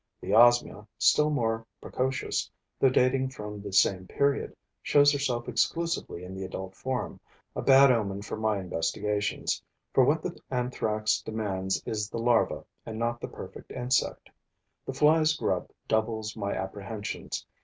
The Osmia, still more precocious, though dating from the same period, shows herself exclusively in the adult form, a bad omen for my investigations, for what the Anthrax demands is the larva and not the perfect insect. The fly's grub doubles my apprehensions.